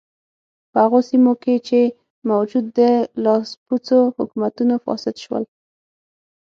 په هغو سیمو کې چې موجود و د لاسپوڅو حکومتونو فاسد شول.